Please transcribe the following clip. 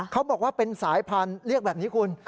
เขาบอกว่าเป็นสายพันธุ์เรียกแบบนี้คุณ